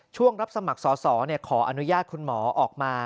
รับสมัครสอสอขออนุญาตคุณหมอออกมา